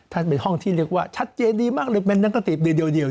เป็นห้องที่เรียกว่าชัดเจนดีมากเลยเป็นนักกติบดีเดียว